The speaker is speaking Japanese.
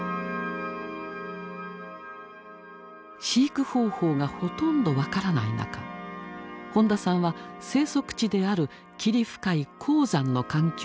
飼育方法がほとんど分からない中本田さんは生息地である霧深い高山の環境を推測してつくり上げた。